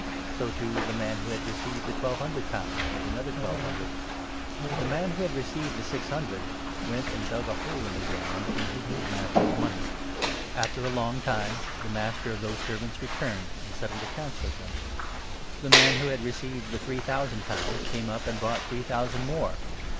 So, too, the man who had received the 17 twelve hundred pounds made another twelve hundred. But 18 the man who had received the six hundred went and dug a hole in the ground, and hid his master's money. After a long 19 90 MATTHEW, 25. time the master of those servants returned, and settled accounts with them. The man who had received the three thousand 20 pounds came up and brpught three thousand more.